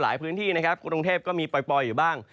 พื้นที่นะครับกรุงเทพก็มีปล่อยอยู่บ้าง